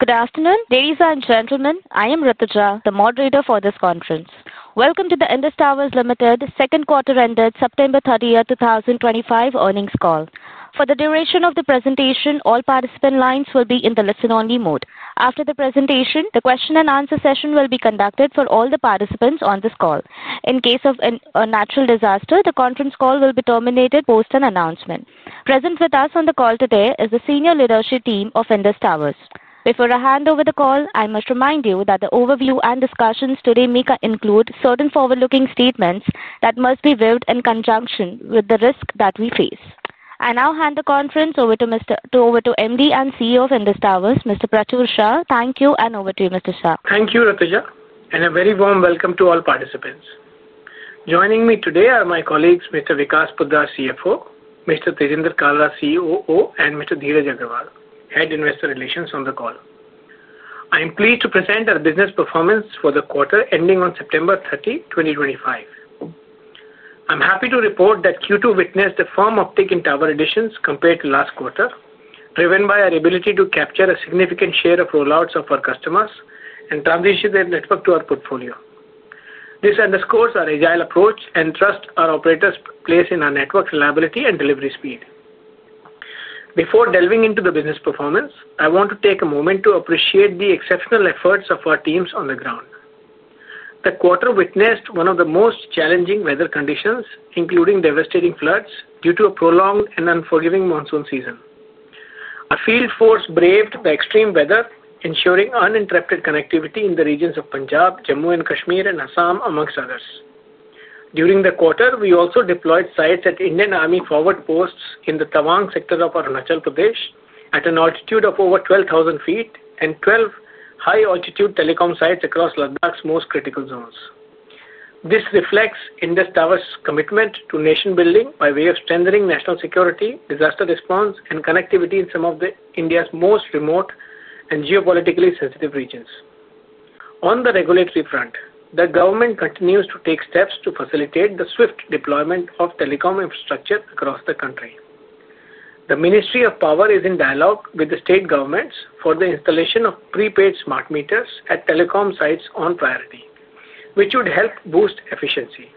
Good afternoon, ladies and gentlemen. I am Rithik Jha, the moderator for this conference. Welcome to the Indus Towers Limited second quarter ended September 30, 2025, earnings call. For the duration of the presentation, all participant lines will be in the listen-only mode. After the presentation, the question and answer session will be conducted for all the participants on this call. In case of a natural disaster, the conference call will be terminated post-announcement. Present with us on the call today is the Senior Leadership Team of Indus Towers. Before I hand over the call, I must remind you that the overview and discussions today may include certain forward-looking statements that must be viewed in conjunction with the risk that we face. I now hand the conference over to Mr. Managing Director and CEO of Indus Towers, Mr. Prachur Sah. Thank you, and over to you, Mr. Sah. Thank you, Rithik Jha, and a very warm welcome to all participants. Joining me today are my colleagues, Mr. Vikas Poddar, CFO, Mr. Tejinder Kalra, COO, and Mr. Dheeraj Agarwal, Head Investor Relations on the call. I am pleased to present our business performance for the quarter ending on September 30, 2025. I'm happy to report that Q2 witnessed a firm uptick in tower additions compared to last quarter, driven by our ability to capture a significant share of rollouts of our customers and transition their network to our portfolio. This underscores our agile approach and trust our operators place in our network's reliability and delivery speed. Before delving into the business performance, I want to take a moment to appreciate the exceptional efforts of our teams on the ground. The quarter witnessed one of the most challenging weather conditions, including devastating floods due to a prolonged and unforgiving monsoon season. Our field force braved the extreme weather, ensuring uninterrupted connectivity in the regions of Punjab, Jammu & Kashmir, and Assam, amongst others. During the quarter, we also deployed sites at Indian Army forward posts in the Tawang sector of Arunachal Pradesh at an altitude of over 12,000 ft and 12 high-altitude telecom sites across Ladakh's most critical zones. This reflects Indus Towers' commitment to nation-building by way of strengthening national security, disaster response, and connectivity in some of India's most remote and geopolitically sensitive regions. On the regulatory front, the government continues to take steps to facilitate the swift deployment of telecom infrastructure across the country. The Ministry of Power is in dialogue with the state governments for the installation of prepaid smart meters at telecom sites on priority, which would help boost efficiency,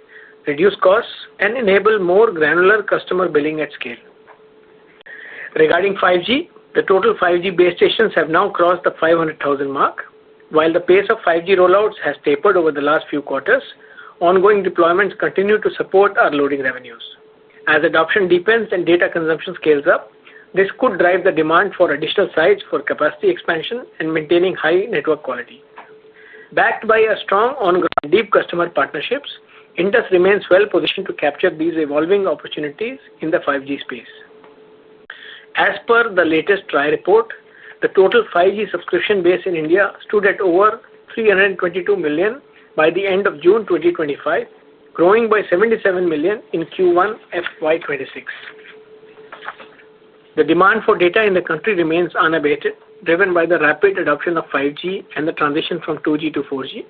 reduce costs, and enable more granular customer billing at scale. Regarding 5G, the total 5G base stations have now crossed the 500,000 mark. While the pace of 5G rollouts has tapered over the last few quarters, ongoing deployments continue to support our loading revenues. As adoption deepens and data consumption scales up, this could drive the demand for additional sites for capacity expansion and maintaining high network quality. Backed by strong ongoing deep customer partnerships, Indus remains well-positioned to capture these evolving opportunities in the 5G space. As per the latest trial report, the total 5G subscription base in India stood at over 322 million by the end of June 2025, growing by 77 million in Q1 FY 2026. The demand for data in the country remains unabated, driven by the rapid adoption of 5G and the transition from 2G to 4G.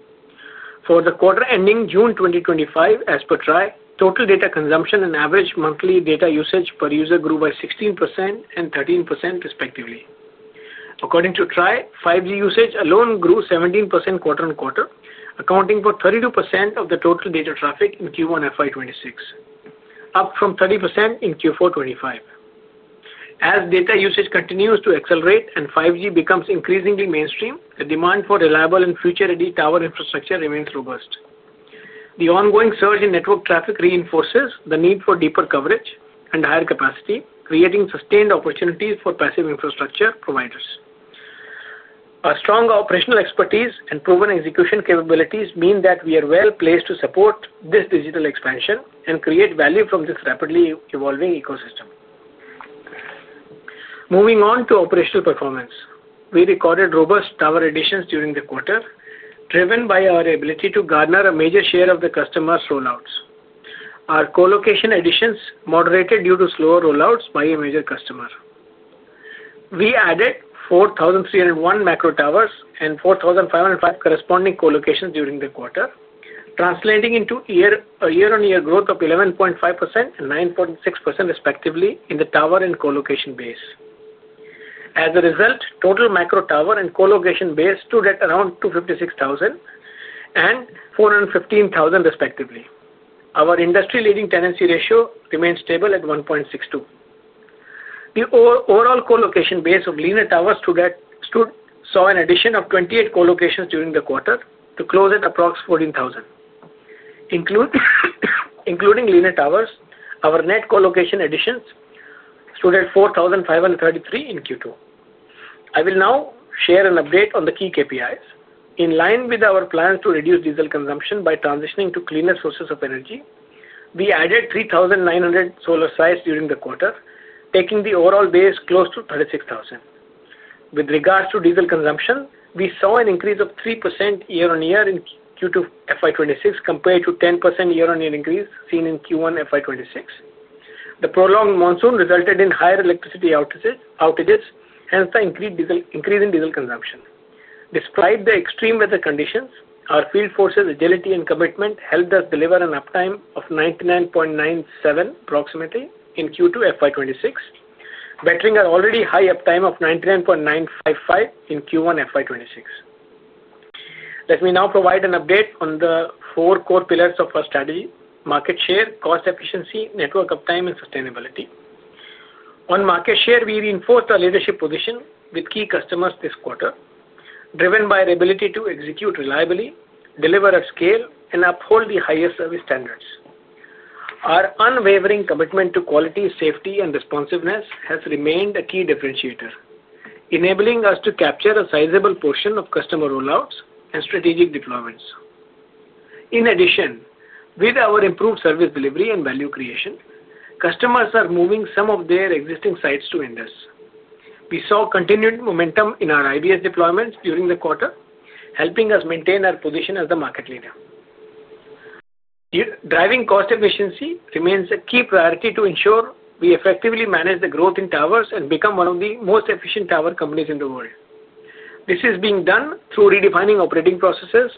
For the quarter ending June 2025, as per TRAI, total data consumption and average monthly data usage per user grew by 16% and 13%, respectively. According to TRAI, 5G usage alone grew 17% quarter-on-quarter, accounting for 32% of the total data traffic in Q1 FY 2026, up from 30% in Q4 2025. As data usage continues to accelerate and 5G becomes increasingly mainstream, the demand for reliable and future-ready tower infrastructure remains robust. The ongoing surge in network traffic reinforces the need for deeper coverage and higher capacity, creating sustained opportunities for passive infrastructure providers. Our strong operational expertise and proven execution capabilities mean that we are well placed to support this digital expansion and create value from this rapidly evolving ecosystem. Moving on to operational performance, we recorded robust tower additions during the quarter, driven by our ability to garner a major share of the customer's rollouts. Our colocation additions moderated due to slower rollouts by a major customer. We added 4,301 macro towers and 4,505 corresponding colocations during the quarter, translating into a year-on-year growth of 11.5% and 9.6%, respectively, in the tower and colocation base. As a result, total macro tower and colocation base stood at around 256,000 and 415,000, respectively. Our industry-leading tenancy ratio remains stable at 1.62. The overall colocation base of leaner towers saw an addition of 28 colocations during the quarter to close at approximately 14,000, including leaner towers. Our net colocation additions stood at 4,533 in Q2. I will now share an update on the key KPIs. In line with our plans to reduce diesel consumption by transitioning to cleaner sources of energy, we added 3,900 solar sites during the quarter, taking the overall base close to 36,000. With regards to diesel consumption, we saw an increase of 3% year-on-year in Q2 FY 2026 compared to the 10% year-on-year increase seen in Q1 FY 2026. The prolonged monsoon resulted in higher electricity outages, hence the increase in diesel consumption. Despite the extreme weather conditions, our field force's agility and commitment helped us deliver an uptime of 99.97% approximately in Q2 FY 2026, bettering our already high uptime of 99.955% in Q1 FY 2026. Let me now provide an update on the four core pillars of our strategy: market share, cost efficiency, network uptime, and sustainability. On market share, we reinforced our leadership position with key customers this quarter, driven by our ability to execute reliably, deliver at scale, and uphold the highest service standards. Our unwavering commitment to quality, safety, and responsiveness has remained a key differentiator, enabling us to capture a sizable portion of customer rollouts and strategic deployments. In addition, with our improved service delivery and value creation, customers are moving some of their existing sites to Indus. We saw continued momentum in our IBS deployments during the quarter, helping us maintain our position as the market leader. Driving cost efficiency remains a key priority to ensure we effectively manage the growth in towers and become one of the most efficient tower companies in the world. This is being done through redefining operating processes,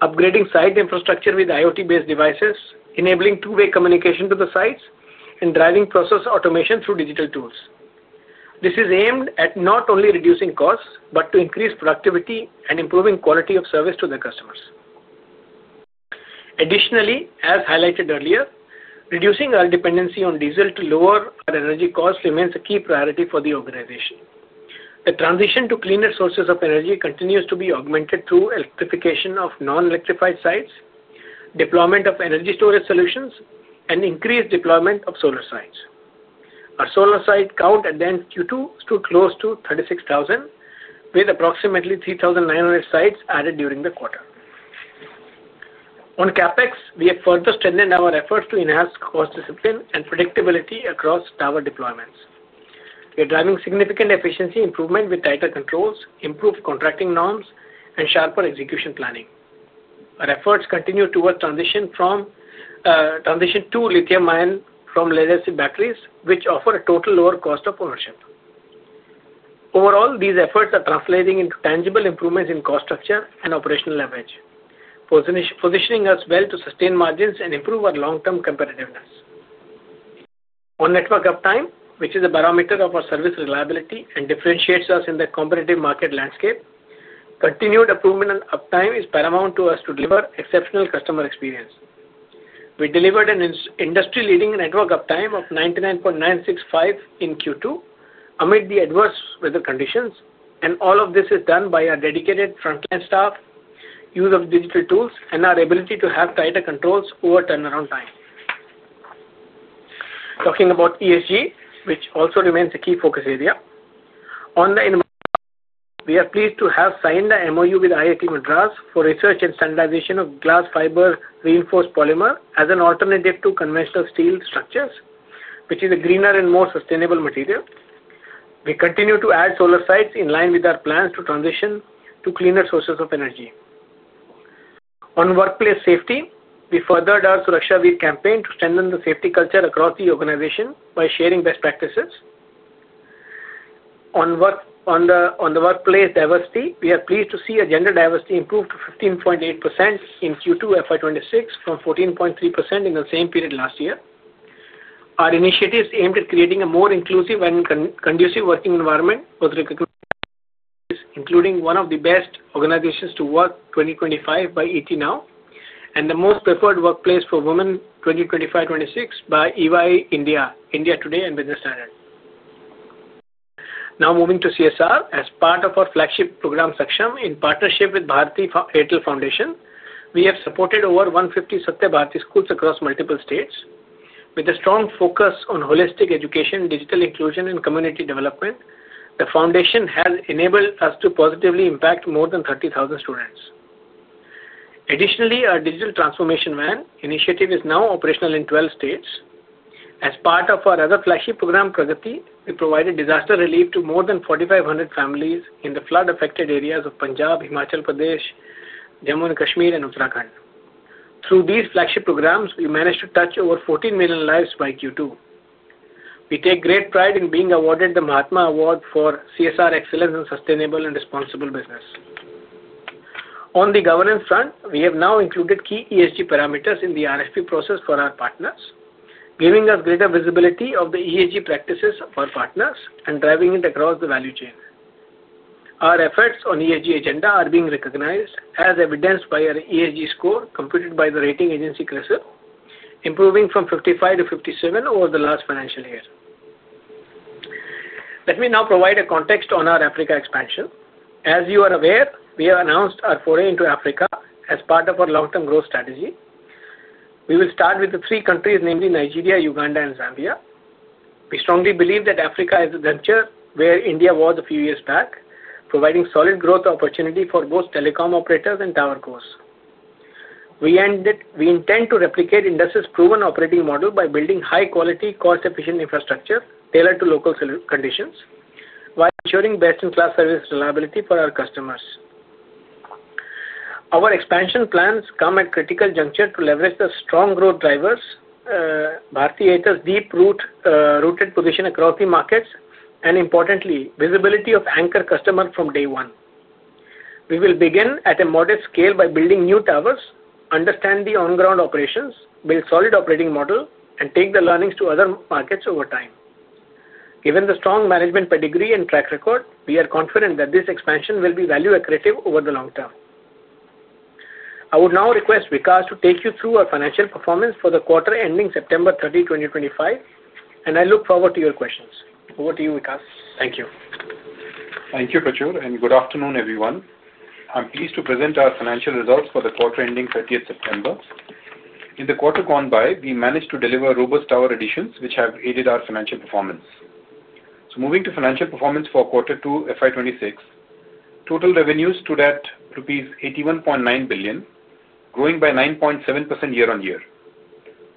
upgrading site infrastructure with IoT-based devices, enabling two-way communication to the sites, and driving process automation through digital tools. This is aimed at not only reducing costs but to increase productivity and improve the quality of service to the customers. Additionally, as highlighted earlier, reducing our dependency on diesel to lower our energy costs remains a key priority for the organization. The transition to cleaner sources of energy continues to be augmented through electrification of non-electrified sites, deployment of energy storage solutions, and increased deployment of solar sites. Our solar site count at the end of Q2 stood close to 36,000, with approximately 3,900 sites added during the quarter. On CapEx, we have further strengthened our efforts to enhance cost discipline and predictability across tower deployments. We are driving significant efficiency improvement with tighter controls, improved contracting norms, and sharper execution planning. Our efforts continue towards transition to lithium-ion from leaders in batteries, which offer a total lower cost of ownership. Overall, these efforts are translating into tangible improvements in cost structure and operational leverage, positioning us well to sustain margins and improve our long-term competitiveness. On network uptime, which is a barometer of our service reliability and differentiates us in the competitive market landscape, continued improvement in uptime is paramount to us to deliver exceptional customer experience. We delivered an industry-leading network uptime of 99.965% in Q2 amid the adverse weather conditions, and all of this is done by our dedicated frontline staff, use of digital tools, and our ability to have tighter controls over turnaround time. Talking about ESG, which also remains a key focus area, we are pleased to have signed the MOU with IIT Madras for research and standardization of glass fiber reinforced polymer as an alternative to conventional steel structures, which is a greener and more sustainable material. We continue to add solar sites in line with our plans to transition to cleaner sources of energy. On workplace safety, we furthered our Suresh Shavir campaign to strengthen the safety culture across the organization by sharing best practices. On workplace diversity, we are pleased to see our gender diversity improved to 15.8% in Q2 FY 2026 from 14.3% in the same period last year. Our initiatives aimed at creating a more inclusive and conducive working environment were recognized, including one of the best organizations to work 2025 by ETNOW and the most preferred workplace for women 2025-2026 by EY India, India Today, and Business Standard. Now moving to CSR, as part of our flagship program section in partnership with Bharti Heritage Foundation, we have supported over 150 Satyabharti schools across multiple states. With a strong focus on holistic education, digital inclusion, and community development, the foundation has enabled us to positively impact more than 30,000 students. Additionally, our Digital Transformation Van initiative is now operational in 12 states. As part of our other flagship program, Pragati, we provided disaster relief to more than 4,500 families in the flood-affected areas of Punjab, Himachal Pradesh, Jammu & Kashmir, and Uttarakhand. Through these flagship programs, we managed to touch over 14 million lives by Q2. We take great pride in being awarded the Mahatma Award for CSR Excellence in Sustainable and Responsible Business. On the governance front, we have now included key ESG parameters in the RFP process for our partners, giving us greater visibility of the ESG practices of our partners and driving it across the value chain. Our efforts on ESG agenda are being recognized, as evidenced by our ESG score computed by the rating agency CRESL, improving from 55 to 57 over the last financial year. Let me now provide a context on our Africa expansion. As you are aware, we have announced our foray into Africa as part of our long-term growth strategy. We will start with the three countries, namely Nigeria, Uganda, and Zambia. We strongly believe that Africa is the venture where India was a few years back, providing solid growth opportunity for both telecom operators and tower goers. We intend to replicate Indus Towers' proven operating model by building high-quality, cost-efficient infrastructure tailored to local conditions while ensuring best-in-class service reliability for our customers. Our expansion plans come at a critical juncture to leverage the strong growth drivers, Bharti Airtel's deep-rooted position across the markets, and importantly, visibility of anchor customers from day one. We will begin at a modest scale by building new towers, understand the on-ground operations, build a solid operating model, and take the learnings to other markets over time. Given the strong management pedigree and track record, we are confident that this expansion will be value accretive over the long term. I would now request Vikas to take you through our financial performance for the quarter ending September 30, 2025, and I look forward to your questions. Over to you, Vikas. Thank you. Thank you, Prachur, and good afternoon, everyone. I'm pleased to present our financial results for the quarter ending September 30. In the quarter gone by, we managed to deliver robust tower additions, which have aided our financial performance. Moving to financial performance for quarter two FY26, total revenues stood at 81.9 billion rupees, growing by 9.7% year-on-year.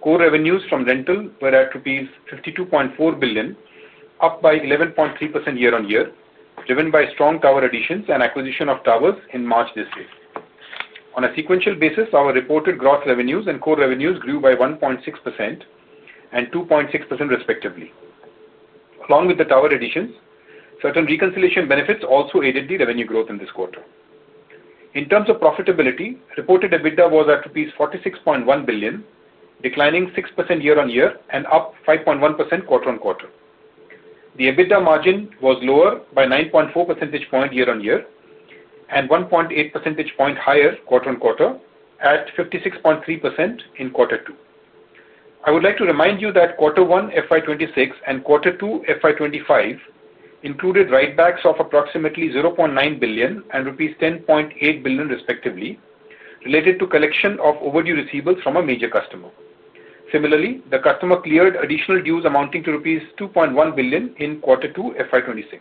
Core revenues from rental were at rupees 52.4 billion, up by 11.3% year-on-year, driven by strong tower additions and acquisition of towers in March this year. On a sequential basis, our reported gross revenues and core revenues grew by 1.6% and 2.6%, respectively. Along with the tower additions, certain reconciliation benefits also aided the revenue growth in this quarter. In terms of profitability, reported EBITDA was at INR rupees 46.1 billion, declining 6% year-on-year and up 5.1% quarter on quarter. The EBITDA margin was lower by 9.4 percentage points year-on-year and 1.8 percentage points higher quarter on quarter at 56.3% in quarter two. I would like to remind you that quarter one FY2026 and quarter two FY2025 included write-backs of approximately 0.9 billion and rupees 10.8 billion, respectively, related to the collection of overdue receipts from a major customer. Similarly, the customer cleared additional dues amounting to rupees 2.1 billion in quarter two FY2026.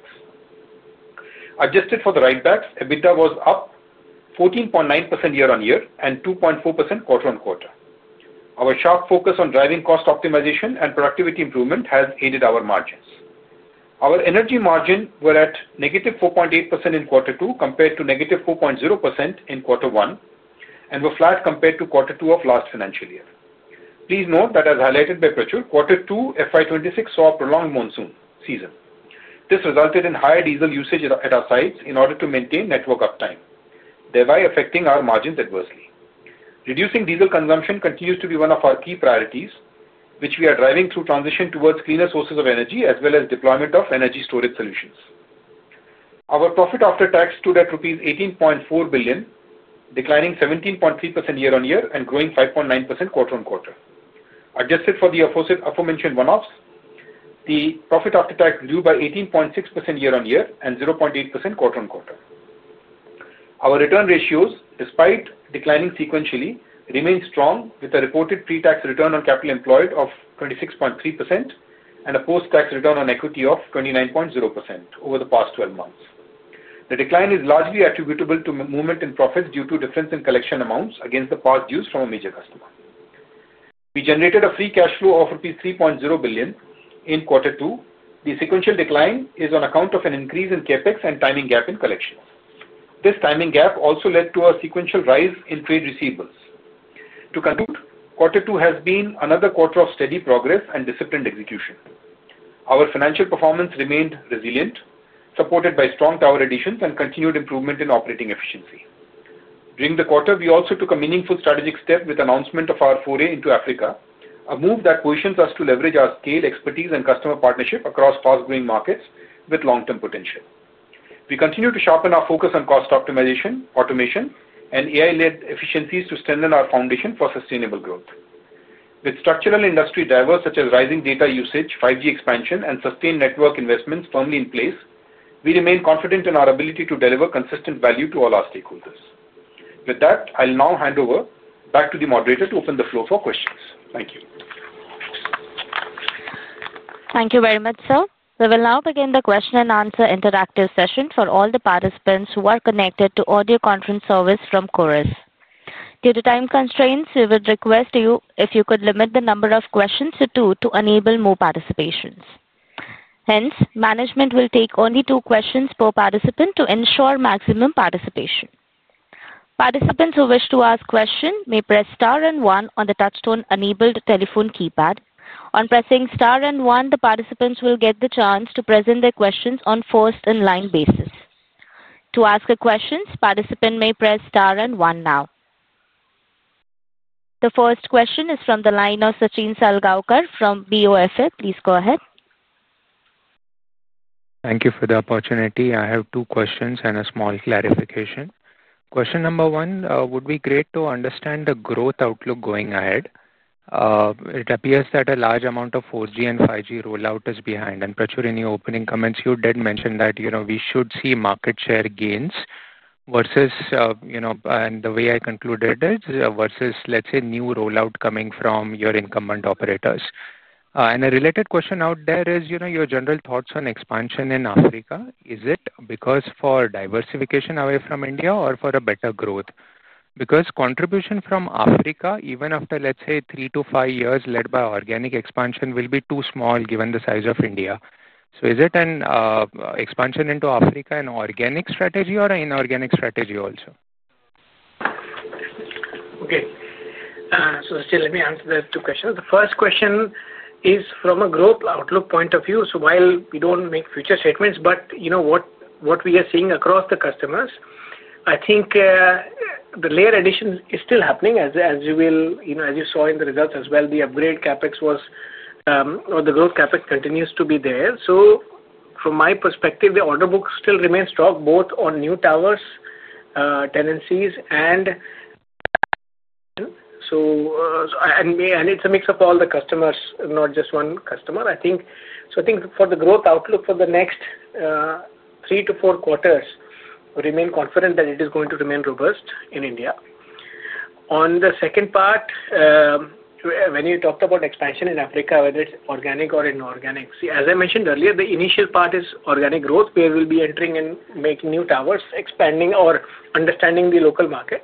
Adjusted for the write-backs, EBITDA was up 14.9% year-on-year and 2.4% quarter on quarter. Our sharp focus on driving cost optimization and productivity improvement has aided our margins. Our energy margins were at -4.8% in quarter two compared to -4.0% in quarter one and were flat compared to quarter two of last financial year. Please note that, as highlighted by Prachur, quarter two FY2026 saw a prolonged monsoon season. This resulted in higher diesel usage at our sites in order to maintain network uptime, thereby affecting our margins adversely. Reducing diesel consumption continues to be one of our key priorities, which we are driving through the transition towards cleaner sources of energy as well as the deployment of energy storage solutions. Our profit after tax stood at INR 18.4 billion, declining 17.3% year-on-year and growing 5.9% quarter-on-quarter. Adjusted for the aforementioned one-offs, the profit after tax grew by 18.6% year-on-year and 0.8% quarter-on-quarter. Our return ratios, despite declining sequentially, remain strong, with a reported pre-tax return on capital employed of 26.3% and a post-tax return on equity of 29.0% over the past 12 months. The decline is largely attributable to movement in profits due to a difference in collection amounts against the past dues from a major customer. We generated a free cash flow of INR 3.0 billion in quarter two. The sequential decline is on account of an increase in CapEx and a timing gap in collections. This timing gap also led to a sequential rise in trade receivables. To conclude, quarter two has been another quarter of steady progress and disciplined execution. Our financial performance remained resilient, supported by strong tower additions and continued improvement in operating efficiency. During the quarter, we also took a meaningful strategic step with the announcement of our foray into Africa, a move that positions us to leverage our scale, expertise, and customer partnership across fast-growing markets with long-term potential. We continue to sharpen our focus on cost optimization, automation, and AI-led efficiencies to strengthen our foundation for sustainable growth. With structural industry drivers such as rising data usage, 5G expansion, and sustained network investments firmly in place, we remain confident in our ability to deliver consistent value to all our stakeholders. With that, I'll now hand over back to the moderator to open the floor for questions. Thank you. Thank you very much, sir. We will now begin the question and answer interactive session for all the participants who are connected to audio conference service from KORUS. Due to time constraints, we would request you if you could limit the number of questions to two to enable more participation. Hence, management will take only two questions per participant to ensure maximum participation. Participants who wish to ask a question may press star and one on the touch-tone-enabled telephone keypad. On pressing star and one, the participants will get the chance to present their questions on a first-in-line basis. To ask a question, participants may press star and one now. The first question is from the line of Sachin Salgawkar from BOFI. Please go ahead. Thank you for the opportunity. I have two questions and a small clarification. Question number one, it would be great to understand the growth outlook going ahead. It appears that a large amount of 4G and 5G rollout is behind. Prachur, in your opening comments, you did mention that we should see market share gains versus, you know, and the way I concluded it, versus, let's say, new rollout coming from your incumbent operators. A related question out there is your general thoughts on expansion in Africa. Is it because for diversification away from India or for better growth? Contribution from Africa, even after, let's say, three to five years led by organic expansion, will be too small given the size of India. Is an expansion into Africa an organic strategy or an inorganic strategy also? Okay. Let me answer the two questions. The first question is from a growth outlook point of view. While we don't make future statements, you know what we are seeing across the customers. I think the layer addition is still happening, as you will, you know, as you saw in the results as well. The upgrade CapEx was, or the growth CapEx continues to be there. From my perspective, the order book still remains strong, both on new towers, tenancies, and it's a mix of all the customers, not just one customer. I think for the growth outlook for the next three to four quarters, we remain confident that it is going to remain robust in India. On the second part, when you talked about expansion in Africa, whether it's organic or inorganic, as I mentioned earlier, the initial part is organic growth, where we'll be entering and making new towers, expanding or understanding the local market.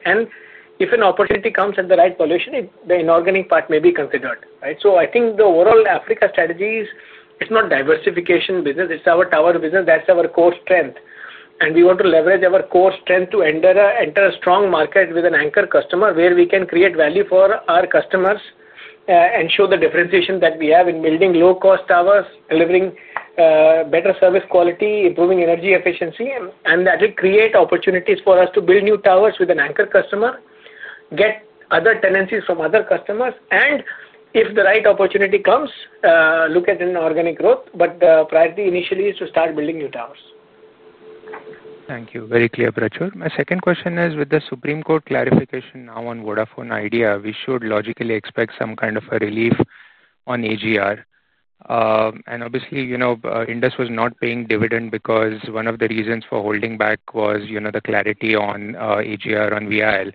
If an opportunity comes at the right position, the inorganic part may be considered, right? The overall Africa strategy is not a diversification business. It's our tower business. That's our core strength. We want to leverage our core strength to enter a strong market with an anchor customer where we can create value for our customers and show the differentiation that we have in building low-cost towers, delivering better service quality, improving energy efficiency, and that will create opportunities for us to build new towers with an anchor customer, get other tenancies from other customers. If the right opportunity comes, look at an organic growth. The priority initially is to start building new towers. Thank you. Very clear, Prachur. My second question is, with the Supreme Court clarification now on Vodafone Idea, we should logically expect some kind of a relief on AGR. Obviously, you know, Indus was not paying dividends because one of the reasons for holding back was, you know, the clarity on AGR on VIL.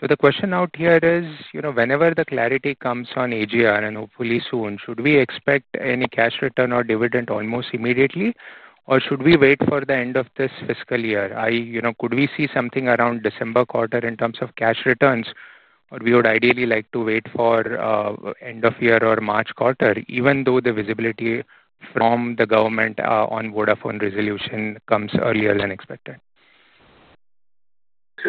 The question out here is, you know, whenever the clarity comes on AGR, and hopefully soon, should we expect any cash return or dividend almost immediately, or should we wait for the end of this fiscal year? Could we see something around December quarter in terms of cash returns, or we would ideally like to wait for the end of year or March quarter, even though the visibility from the government on Vodafone resolution comes earlier than expected?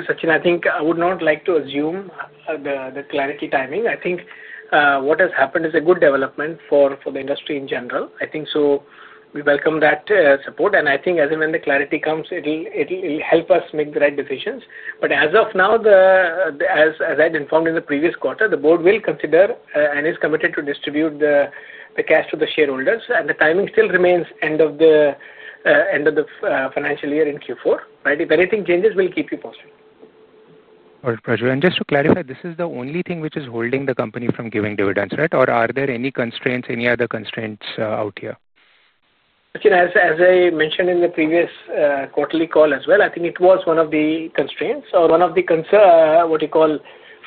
Sachin, I think I would not like to assume the clarity timing. I think what has happened is a good development for the industry in general. We welcome that support. I think as and when the clarity comes, it'll help us make the right decisions. As of now, as I'd informed in the previous quarter, the board will consider and is committed to distribute the cash to the shareholders. The timing still remains end of the financial year in Q4, right? If anything changes, we'll keep you posted. All right, Prachur. Just to clarify, this is the only thing which is holding the company from giving dividends, right? Are there any constraints, any other constraints out here? Sachin, as I mentioned in the previous quarterly call as well, I think it was one of the constraints or one of the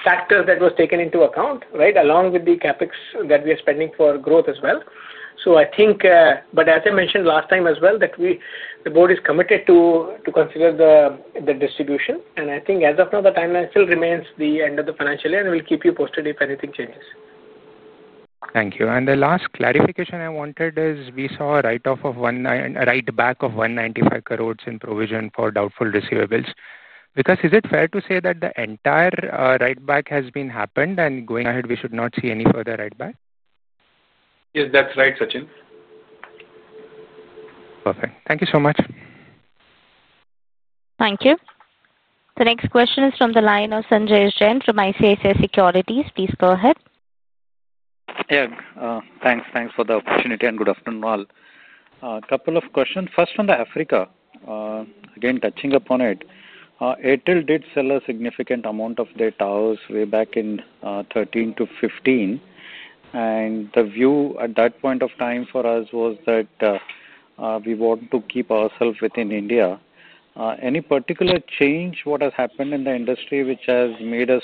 factors that was taken into account, right, along with the CapEx that we are spending for growth as well. As I mentioned last time as well, the board is committed to consider the distribution. I think as of now, the timeline still remains the end of the financial year, and we'll keep you posted if anything changes. Thank you. The last clarification I wanted is we saw a write-off of one write-back of 195 crore in provision for doubtful receivables. Vikas, is it fair to say that the entire write-back has happened and going ahead, we should not see any further write-back? Yes, that's right, Sachin. Perfect. Thank you so much. Thank you. The next question is from the line of Sanjesh Jain from ICICI Securities. Please go ahead. Yeah, thanks. Thanks for the opportunity and good afternoon all. A couple of questions. First, on Africa, again, touching upon it, Bharti Airtel did sell a significant amount of their towers way back in 2013 to 2015. The view at that point of time for us was that we want to keep ourselves within India. Any particular change in what has happened in the industry which has made us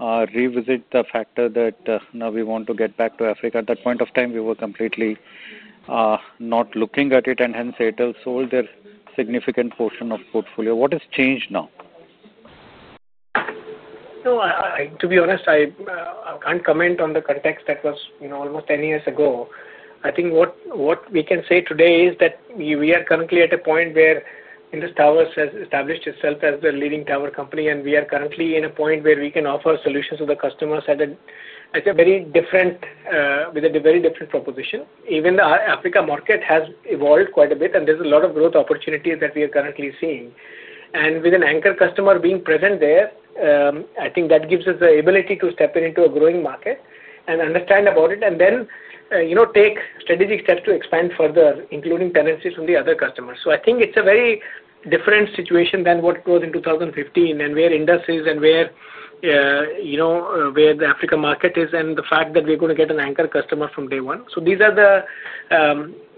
revisit the factor that now we want to get back to Africa? At that point of time, we were completely not looking at it, and hence, Bharti Airtel sold their significant portion of the portfolio. What has changed now? To be honest, I can't comment on the context that was almost 10 years ago. I think what we can say today is that we are currently at a point where Indus Towers has established itself as the leading tower company, and we are currently at a point where we can offer solutions to the customers with a very different proposition. Even the Africa market has evolved quite a bit, and there's a lot of growth opportunity that we are currently seeing. With an anchor customer being present there, I think that gives us the ability to step into a growing market, understand it, and then take strategic steps to expand further, including tenancies from other customers. I think it's a very different situation than what it was in 2015 and where Indus Towers is and where the Africa market is, and the fact that we're going to get an anchor customer from day one. These are the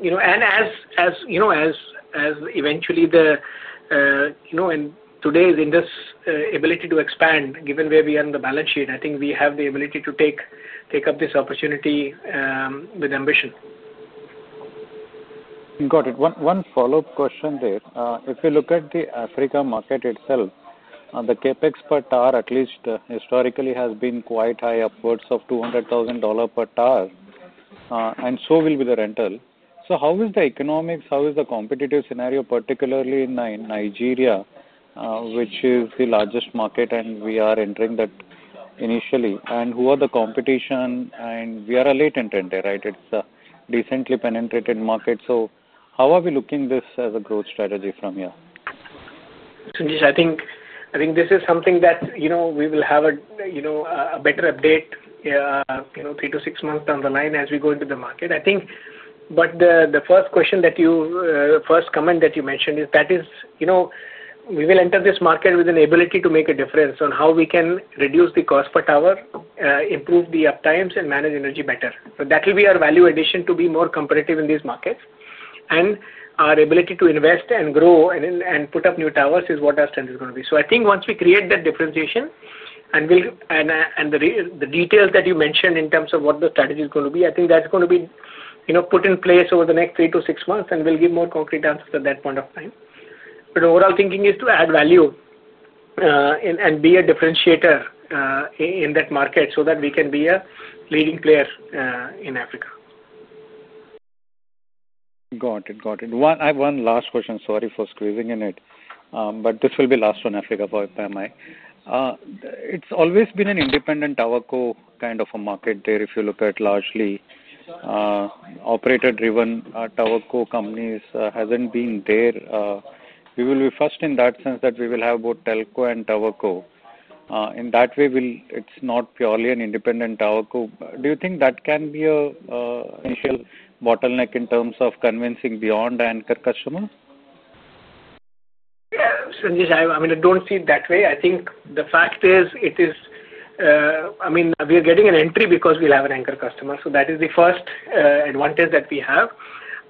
points, and as eventually today's Indus Towers' ability to expand, given where we are in the balance sheet, I think we have the ability to take up this opportunity with ambition. Got it. One follow-up question there. If we look at the Africa market itself, the CapEx per tower at least historically has been quite high, upwards of $200,000 per tower, and so will be the rental. How is the economics? How is the competitive scenario, particularly in Nigeria, which is the largest market and we are entering that initially? Who are the competition? We are a late intender, right? It's a decently penetrated market. How are we looking at this as a growth strategy from here? Yes, I think this is something that we will have a better update three to six months down the line as we go into the market. I think the first comment that you mentioned is that we will enter this market with an ability to make a difference on how we can reduce the cost per tower, improve the uptimes, and manage energy better. That will be our value addition to be more competitive in these markets. Our ability to invest and grow and put up new towers is what our strength is going to be. I think once we create that differentiation and the details that you mentioned in terms of what the strategy is going to be, that's going to be put in place over the next three to six months, and we'll give more concrete answers at that point of time. Overall thinking is to add value and be a differentiator in that market so that we can be a leading player in Africa. Got it. Got it. I have one last question. Sorry for squeezing in it, but this will be last on Africa by me. It's always been an independent tower co kind of a market there. If you look at largely operator-driven tower co companies, it hasn't been there. We will be first in that sense that we will have both telco and tower co. In that way, it's not purely an independent tower co. Do you think that can be an initial bottleneck in terms of convincing beyond an anchor customer? I don't see it that way. I think the fact is, we are getting an entry because we'll have an anchor customer. That is the first advantage that we have.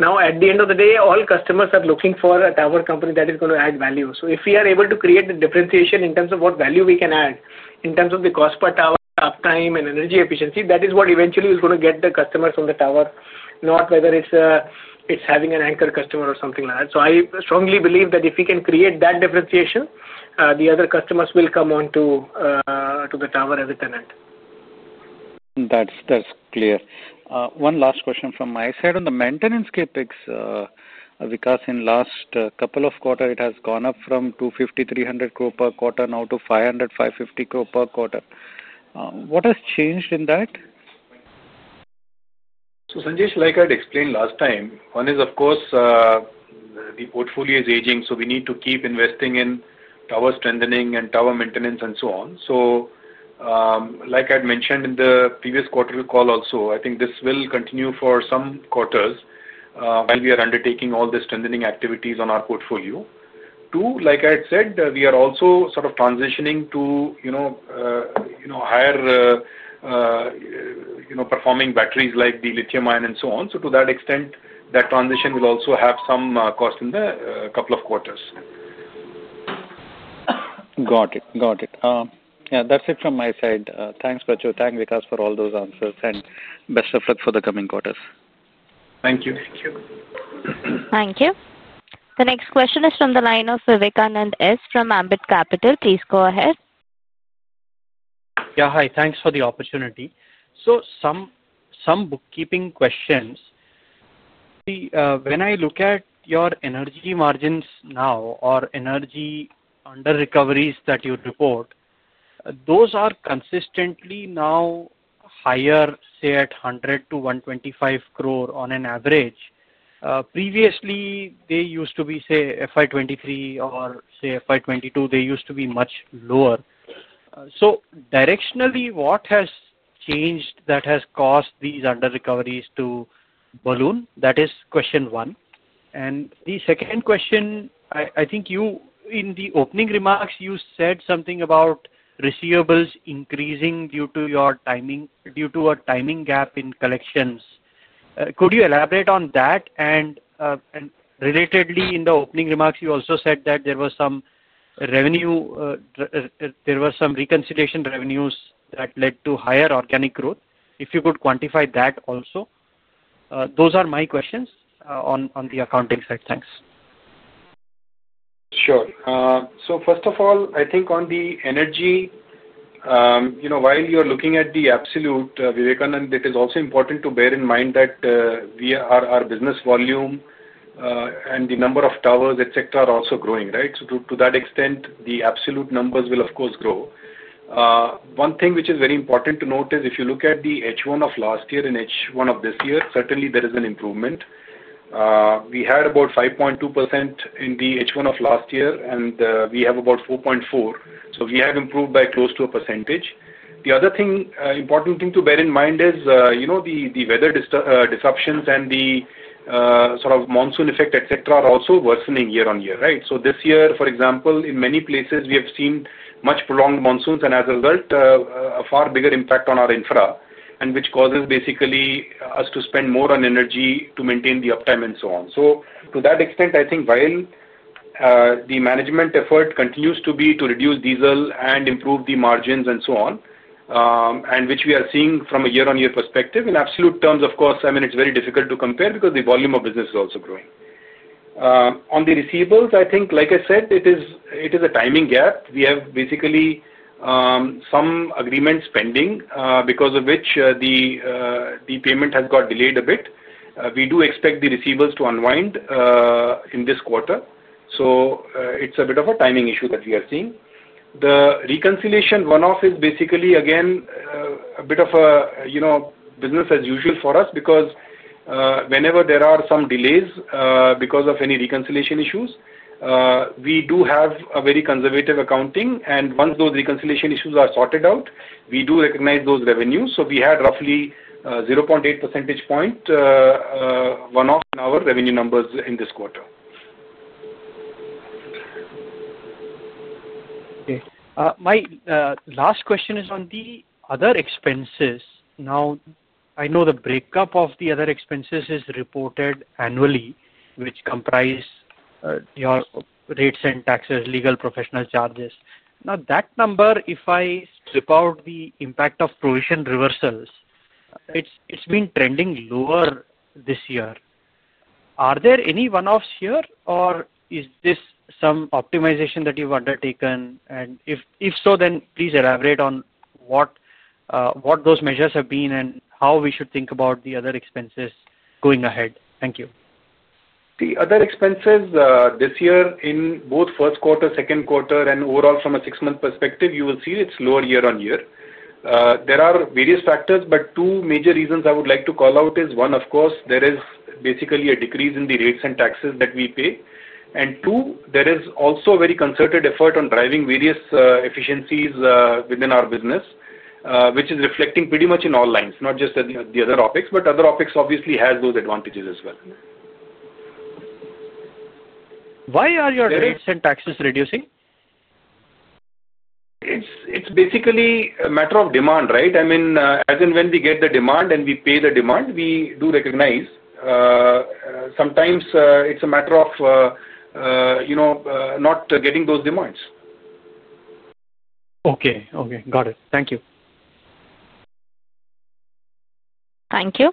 At the end of the day, all customers are looking for a tower company that is going to add value. If we are able to create a differentiation in terms of what value we can add in terms of the cost per tower, uptime, and energy efficiency, that is what eventually is going to get the customers from the tower, not whether it's having an anchor customer or something like that. I strongly believe that if we can create that differentiation, the other customers will come onto the tower as a tenant. That's clear. One last question from my side. On the maintenance CapEx, Vikas, in the last couple of quarters, it has gone up from 250 crore-300 crore per quarter now to 500 crore-550 crore per quarter. What has changed in that? Like I had explained last time, one is, of course, the portfolio is aging. We need to keep investing in tower strengthening and tower maintenance and so on. Like I had mentioned in the previous quarterly call also, I think this will continue for some quarters while we are undertaking all the strengthening activities on our portfolio. Two, like I had said, we are also sort of transitioning to higher performing batteries like the lithium-ion and so on. To that extent, that transition will also have some cost in the couple of quarters. Got it. Got it. That's it from my side. Thanks, Prachur. Thanks, Vikas, for all those answers. Best of luck for the coming quarters. Thank you. Thank you. The next question is from the line of Vivekanand S. from Ambit Capital. Please go ahead. Yeah, hi. Thanks for the opportunity. Some bookkeeping questions. When I look at your energy margins now or energy under-recoveries that you'd report, those are consistently now higher, say, at 100 crore-125 crore on average. Previously, they used to be, say, in 2023 or in 2022, they used to be much lower. Directionally, what has changed that has caused these under-recoveries to balloon? That is question one. The second question, I think you, in the opening remarks, you said something about receivables increasing due to a timing gap in collections. Could you elaborate on that? Relatedly, in the opening remarks, you also said that there were some reconciliation revenues that led to higher organic growth. If you could quantify that also. Those are my questions on the accounting side. Thanks. Sure. First of all, I think on the energy, while you're looking at the absolute, Vivekanand, it is also important to bear in mind that our business volume and the number of towers, etc., are also growing, right? To that extent, the absolute numbers will, of course, grow. One thing which is very important to note is if you look at the H1 of last year and H1 of this year, certainly there is an improvement. We had about 5.2% in the H1 of last year, and we have about 4.4%. We have improved by close to a percentage. The other important thing to bear in mind is the weather disruptions and the sort of monsoon effect, etc., are also worsening year-on-year, right? This year, for example, in many places, we have seen much prolonged monsoons, and as a result, a far bigger impact on our infra, which causes us to spend more on energy to maintain the uptime and so on. To that extent, I think while the management effort continues to be to reduce diesel and improve the margins and so on, and which we are seeing from a year-on-year perspective, in absolute terms, it's very difficult to compare because the volume of business is also growing. On the receivables, I think, like I said, it is a timing gap. We have some agreements pending because of which the payment has got delayed a bit. We do expect the receivables to unwind in this quarter. It's a bit of a timing issue that we are seeing. The reconciliation one-off is basically, again, a bit of a business as usual for us because whenever there are some delays because of any reconciliation issues, we do have a very conservative accounting. Once those reconciliation issues are sorted out, we do recognize those revenues. We had roughly 0.8 percentage point one-off in our revenue numbers in this quarter. Okay. My last question is on the other expenses. I know the breakup of the other expenses is reported annually, which comprises your rates and taxes, legal professional charges. That number, if I strip out the impact of provision reversals, it's been trending lower this year. Are there any one-offs here, or is this some optimization that you've undertaken? If so, then please elaborate on what those measures have been and how we should think about the other expenses going ahead. Thank you. The other expenses this year in both first quarter, second quarter, and overall from a six-month perspective, you will see it's lower year-on-year. There are various factors, but two major reasons I would like to call out are, one, of course, there is basically a decrease in the rates and taxes that we pay. Two, there is also a very concerted effort on driving various efficiencies within our business, which is reflecting pretty much in all lines, not just the other OpEx, but other OpEx obviously has those advantages as well. Why are your rates and taxes reducing? It's basically a matter of demand, right? I mean, as and when we get the demand and we pay the demand, we do recognize. Sometimes it's a matter of not getting those demands. Okay. Got it. Thank you. Thank you.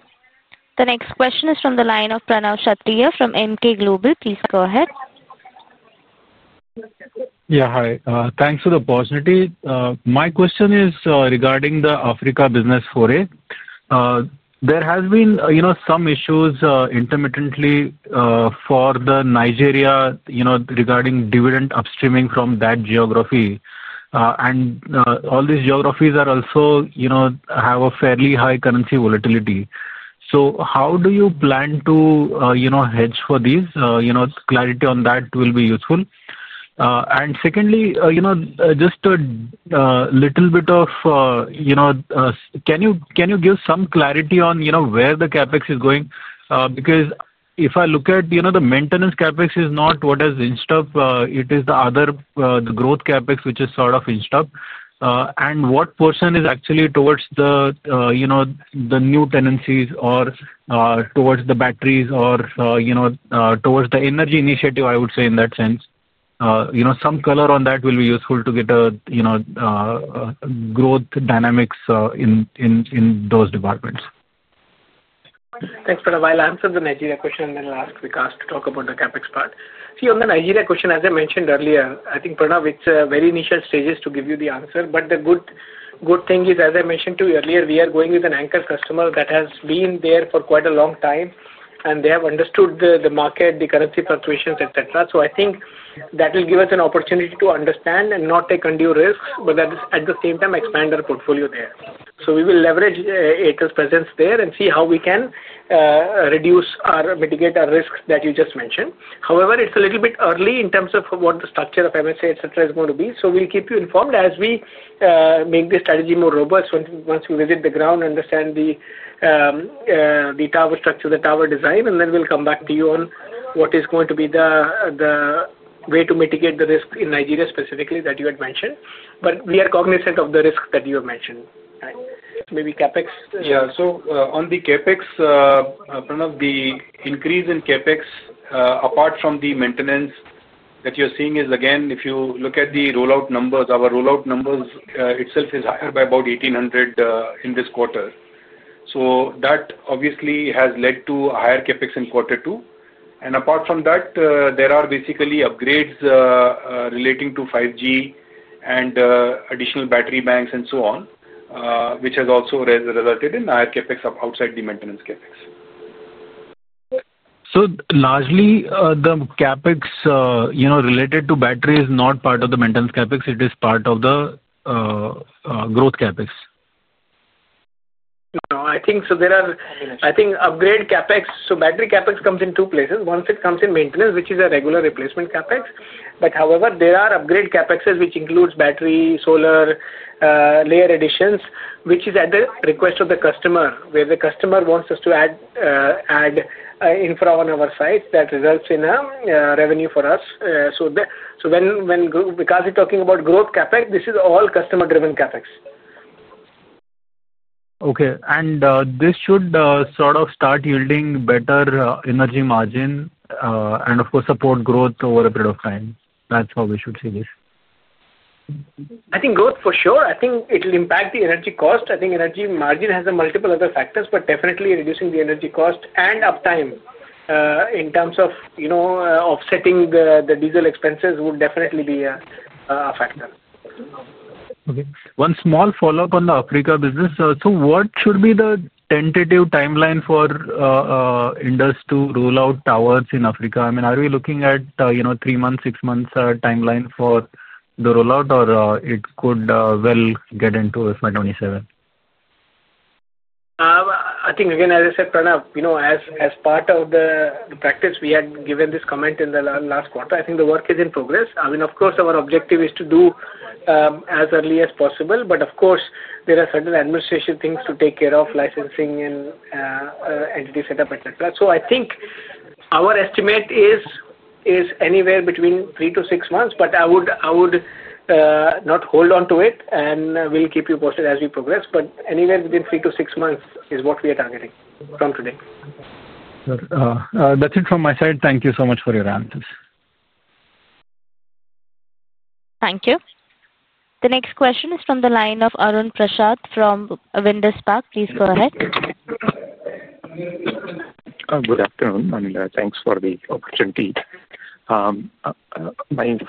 The next question is from the line of Pranav Shastri here from MK Global. Please go ahead. Yeah, hi. Thanks for the opportunity. My question is regarding the Africa business foray. There have been some issues intermittently for Nigeria regarding dividend upstreaming from that geography. All these geographies also have a fairly high currency volatility. How do you plan to hedge for these? Clarity on that will be useful. Secondly, can you give some clarity on where the CapEx is going? Because if I look at the maintenance CapEx, it is not what is in stock. It is the other, the growth CapEx, which is sort of in stock. What portion is actually towards the new tenancies or towards the batteries or towards the energy initiative, I would say, in that sense? Some color on that will be useful to get a growth dynamics in those departments. Thanks for the bile. I answered the Nigeria question and then asked Vikas to talk about the CapEx part. On the Nigeria question, as I mentioned earlier, I think Pranav, it's a very initial stages to give you the answer. The good thing is, as I mentioned to you earlier, we are going with an anchor customer that has been there for quite a long time, and they have understood the market, the currency fluctuations, etc. I think that will give us an opportunity to understand and not take undue risks, but that is at the same time expand our portfolio there. We will leverage Airtel's presence there and see how we can reduce or mitigate our risks that you just mentioned. However, it's a little bit early in terms of what the structure of MSA, etc., is going to be. We'll keep you informed as we make this strategy more robust once we visit the ground, understand the tower structure, the tower design, and then we'll come back to you on what is going to be the way to mitigate the risk in Nigeria specifically that you had mentioned. We are cognizant of the risk that you have mentioned. Maybe CapEx. Yeah. On the CapEx front, the increase in CapEx, apart from the maintenance that you're seeing, is again, if you look at the rollout numbers, our rollout numbers itself is higher by about 1,800 in this quarter. That obviously has led to a higher CapEx in quarter two. Apart from that, there are basically upgrades relating to 5G and additional battery banks and so on, which has also resulted in higher CapEx outside the maintenance CapEx. Largely, the CapEx related to battery is not part of the maintenance CapEx. It is part of the growth CapEx. I think so. There are, I think, upgrade CapEx. Battery CapEx comes in two places. Once it comes in maintenance, which is a regular replacement CapEx. However, there are upgrade CapExes, which include battery, solar, layer additions, which is at the request of the customer, where the customer wants us to add infra on our site that results in a revenue for us. When Vikas is talking about growth CapEx, this is all customer-driven CapEx. Okay. This should sort of start yielding better energy margin and, of course, support growth over a period of time. That's how we should see this. I think growth for sure. I think it'll impact the energy cost. I think energy margin has multiple other factors, but definitely reducing the energy cost and uptime in terms of offsetting the diesel expenses would definitely be a factor. Okay. One small follow-up on the Africa business. What should be the tentative timeline for Indus Towers to roll out towers in Africa? I mean, are we looking at, you know, three months, six months timeline for the rollout, or it could well get into 2027? I think, again, as I said, Pranav, as part of the practice, we had given this comment in the last quarter. I think the work is in progress. Of course, our objective is to do as early as possible, but there are certain administration things to take care of, licensing and entity setup, etc. I think our estimate is anywhere between three to six months. I would not hold on to it, and we'll keep you posted as we progress. Anywhere within three to six months is what we are targeting from today. That's it from my side. Thank you so much for your answers. Thank you. The next question is from the line of Arun Prashad from Windus Park. Please go ahead. Good afternoon. Thanks for the opportunity. My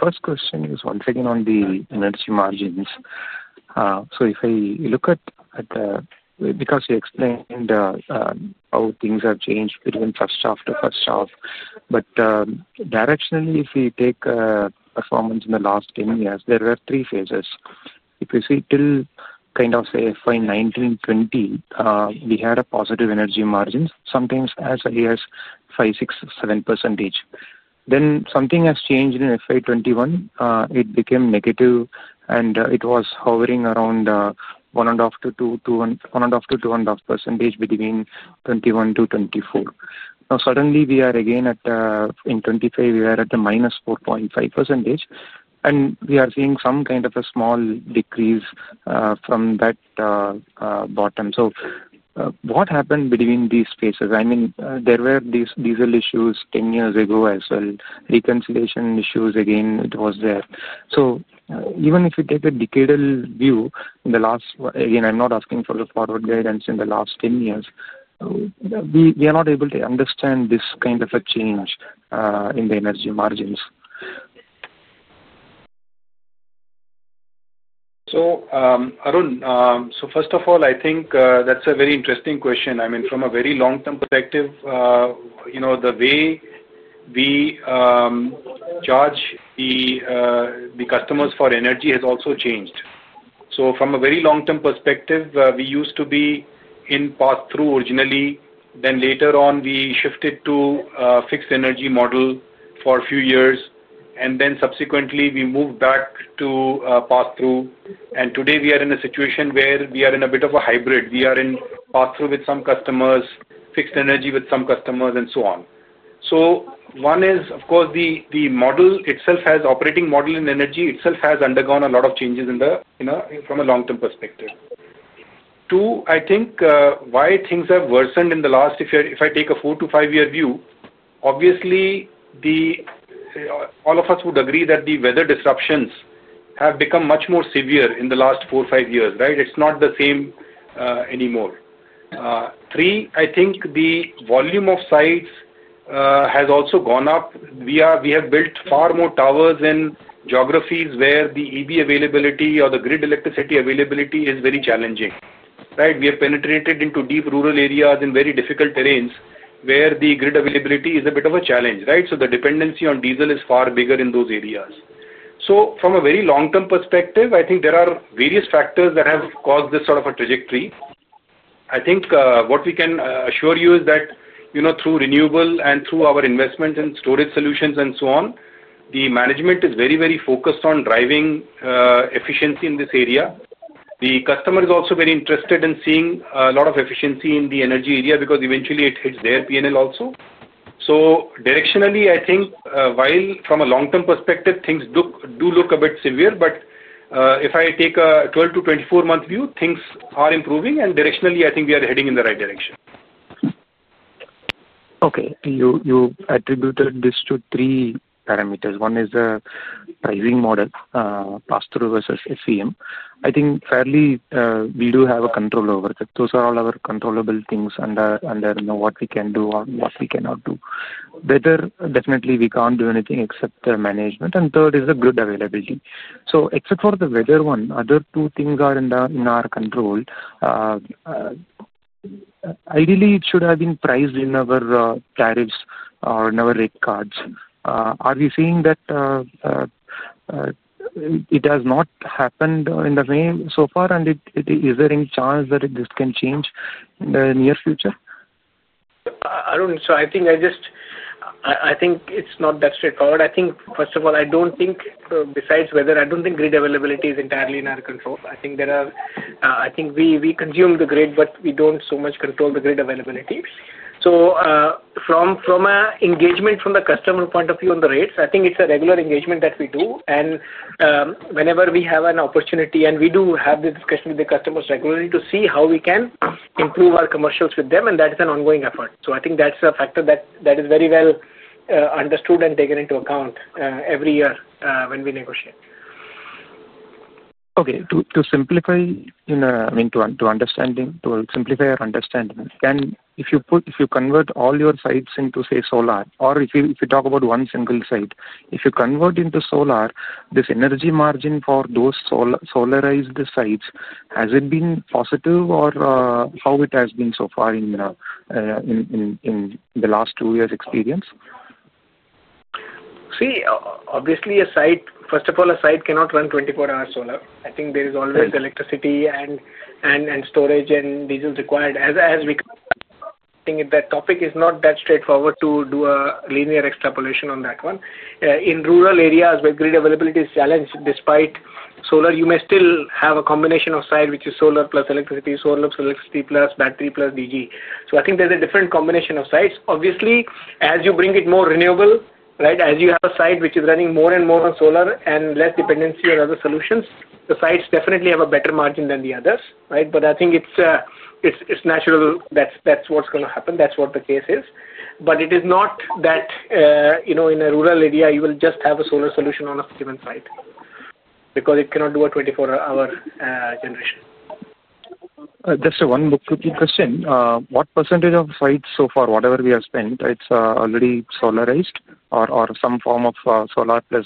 first question is once again on the energy margins. If I look at the, because you explained how things have changed between first half to first half, but directionally, if we take performance in the last 10 years, there were three phases. If you see till kind of say FY2019, 2020, we had a positive energy margin, sometimes as high as 5%, 6%, 7%. Then something has changed in FY2021. It became negative, and it was hovering around 1.5% to 2.5% between 2021 to 2024. Now, suddenly, we are again at, in 2025, we are at a minus 4.5%, and we are seeing some kind of a small decrease from that bottom. What happened between these phases? There were these diesel issues 10 years ago as well. Reconciliation issues, again, it was there. Even if you take a decadal view in the last, again, I'm not asking for the forward guidance in the last 10 years, we are not able to understand this kind of a change in the energy margins. Arun, first of all, I think that's a very interesting question. From a very long-term perspective, the way we charge the customers for energy has also changed. From a very long-term perspective, we used to be in pass-through originally. Later on, we shifted to a fixed energy model for a few years. Subsequently, we moved back to pass-through. Today, we are in a situation where we are in a bit of a hybrid. We are in pass-through with some customers, fixed energy with some customers, and so on. One is, of course, the model itself, the operating model in energy itself has undergone a lot of changes from a long-term perspective. Two, I think why things have worsened in the last, if I take a four to five-year view, obviously, all of us would agree that the weather disruptions have become much more severe in the last four or five years, right? It's not the same anymore. Three, I think the volume of sites has also gone up. We have built far more towers in geographies where the EV availability or the grid electricity availability is very challenging, right? We have penetrated into deep rural areas in very difficult terrains where the grid availability is a bit of a challenge, right? The dependency on diesel is far bigger in those areas. From a very long-term perspective, I think there are various factors that have caused this sort of a trajectory. What we can assure you is that, through renewable and through our investments in storage solutions and so on, the management is very, very focused on driving efficiency in this area. The customer is also very interested in seeing a lot of efficiency in the energy area because eventually, it hits their P&L also. Directionally, I think while from a long-term perspective, things do look a bit severe, if I take a 12 to 24-month view, things are improving. Directionally, I think we are heading in the right direction. Okay. You attributed this to three parameters. One is the pricing model, pass-through versus FCM. I think, fairly, we do have a control over that. Those are all our controllable things under what we can do or what we cannot do. Weather, definitely, we can't do anything except management. The third is the grid availability. Except for the weather one, the other two things are in our control. Ideally, it should have been priced in our tariffs or in our rate cards. Are we seeing that it has not happened in the same so far? Is there any chance that this can change in the near future? I don't think so. I think it's not that straightforward. First of all, I don't think, besides weather, grid availability is entirely in our control. We consume the grid, but we don't so much control the grid availability. From an engagement from the customer point of view on the rates, it's a regular engagement that we do. Whenever we have an opportunity, we do have the discussion with the customers regularly to see how we can improve our commercials with them, and that is an ongoing effort. I think that's a factor that is very well understood and taken into account every year when we negotiate. Okay. To simplify our understanding, if you convert all your sites into, say, solar, or if you talk about one single site, if you convert into solar, this energy margin for those solarized sites, has it been positive or how has it been so far in the last two years' experience? See, obviously, a site, first of all, a site cannot run 24 hours solar. I think there is always electricity and storage and diesel required as we. I think that topic is not that straightforward to do a linear extrapolation on that one. In rural areas where grid availability is challenged, despite solar, you may still have a combination of site, which is solar plus electricity, solar plus electricity plus battery plus DG. I think there's a different combination of sites. Obviously, as you bring it more renewable, right, as you have a site which is running more and more on solar and less dependency on other solutions, the sites definitely have a better margin than the others, right? I think it's natural that's what's going to happen. That's what the case is. It is not that, you know, in a rural area, you will just have a solar solution on a given site because it cannot do a 24-hour generation. Just one more quick question. What percentage of sites so far, whatever we have spent, is already solarized or some form of solar plus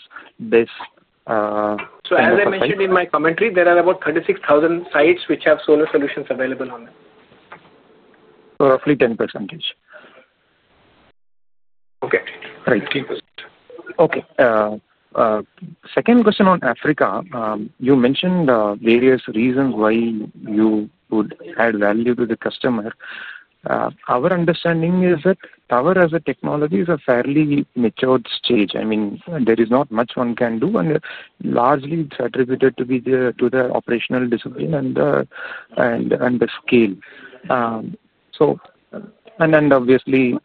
base? As I mentioned in my commentary, there are about 36,000 sites which have solar solutions available on them. Roughly 10%. Okay. Right. 15%. Okay. Second question on Africa. You mentioned various reasons why you would add value to the customer. Our understanding is that tower as a technology is at a fairly matured stage. I mean, there is not much one can do, and largely, it's attributed to their operational discipline and the scale. Obviously,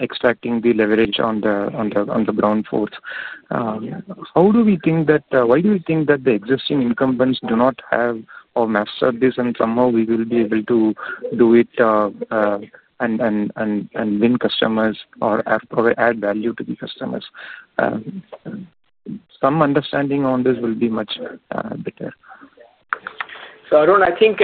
extracting the leverage on the brown fork. How do we think that, why do we think that the existing incumbents do not have or master this, and somehow we will be able to do it and win customers or add value to the customers? Some understanding on this will be much better. Arun, I think,